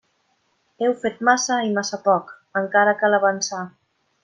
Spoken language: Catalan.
Heu fet massa i massa poc; encara cal avançar.